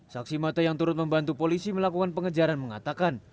saksi mata yang turut membantu polisi melakukan pengejaran mengatakan